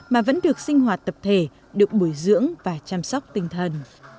mà vẫn được sinh hoạt tập thể được bồi dưỡng và chăm sóc tinh thần